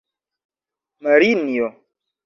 Marinjo!